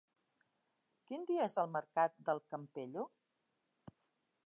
Quin dia és el mercat del Campello?